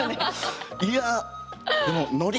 いやあでものり？